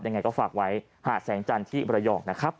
ยังไงก็ฝากไว้หาดแสงจันทร์ที่มรยองนะครับ